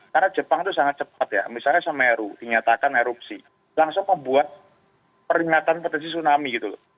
karena jepang itu sangat cepat ya misalnya semeru dinyatakan erupsi langsung membuat peringatan potensi tsunami gitu loh